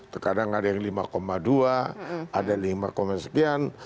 terkadang ada yang lima dua ada yang lima sekian